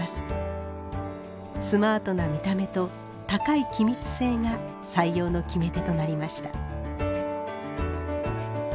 スマートな見た目と高い気密性が採用の決め手となりました。